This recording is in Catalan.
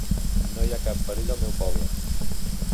No hi ha cap perill al meu poble.